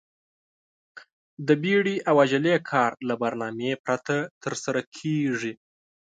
د بيړې او عجلې کار له برنامې پرته ترسره کېږي.